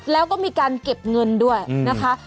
แล้วก็มีการเก็บเงินด้วยนะคะ